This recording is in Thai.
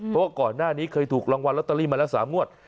เพราะว่าก่อนหน้านี้เคยถูกรางวัลลอตเตอรี่มาแล้ว๓งวด